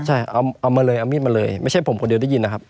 ใช่เอามาเลยเอามีดมาเลยไม่ใช่ผมคนเดียวได้ยินนะครับ